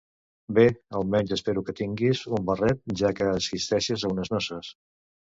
Bé, almenys espero que tinguis un barret ja que assisteixes a unes noces.